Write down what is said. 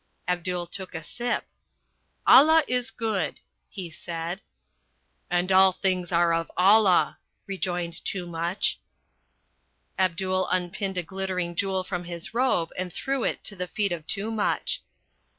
Abdul took a sip. "Allah is good," he said. "And all things are of Allah," rejoined Toomuch. Abdul unpinned a glittering jewel from his robe and threw it to the feet of Toomuch.